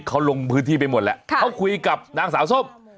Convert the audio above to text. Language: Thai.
เขาลงพื้นที่ไปหมดแล้วเขาคุยกับนางสาวส้ม